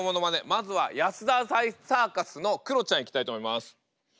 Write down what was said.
まずは安田大サーカスのクロちゃんいきたいと思います。